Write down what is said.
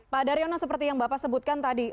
pak daryono seperti yang bapak sebutkan tadi